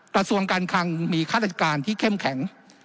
ประสวนการคลังมีฆาตการที่เข้มแข็ง